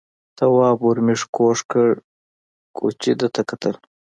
تواب ور مېږ کوږ کړ، کوچي ده ته کتل.